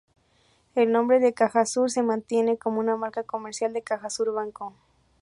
El nombre "CajaSur" se mantiene como una marca comercial de CajaSur Banco.